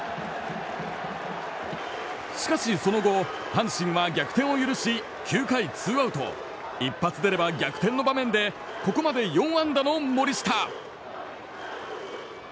しかし、その後阪神は逆転を許し９回ツーアウト一発出れば逆転の場面でここまで４安打の森下。